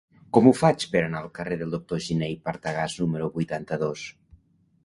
Com ho faig per anar al carrer del Doctor Giné i Partagàs número vuitanta-dos?